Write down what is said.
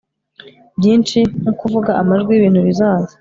byinshi nkukuvuga amajwi yibintu bizaza